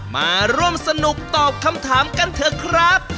มาร่วมสนุกตอบคำถามกันเถอะครับ